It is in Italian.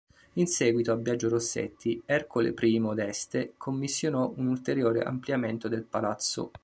In seguito, a Biagio Rossetti, Ercole I d'Este commissionò un ulteriore ampliamento del palazzo.